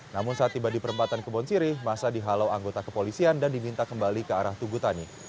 namun saat tiba di perempatan kebon sirih masa dihalau anggota kepolisian dan diminta kembali ke arah tugutani